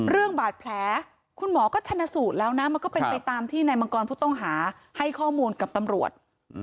เรื่องบาดแผลคุณหมอก็ชนะสูตรแล้วนะมันก็เป็นไปตามที่นายมังกรผู้ต้องหาให้ข้อมูลกับตำรวจ